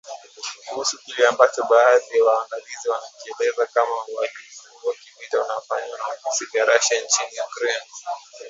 kuhusu kile ambacho baadhi ya waangalizi wanakielezea kama uhalifu wa kivita unaofanywa na vikosi vya Russia nchini Ukraine.